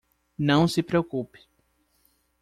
Não se preocupe